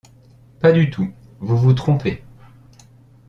Pas du tout, vous vous trompez. ..